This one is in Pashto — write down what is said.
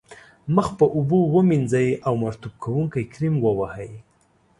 مخ په اوبو ومینځئ او مرطوب کوونکی کریم و وهئ.